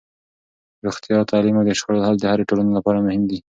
روغتیا، تعلیم او د شخړو حل د هرې ټولنې لپاره مهم دي.